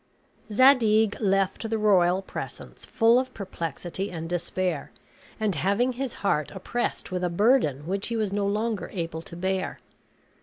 Zadig left the royal presence full of perplexity and despair, and having his heart oppressed with a burden which he was no longer able to bear.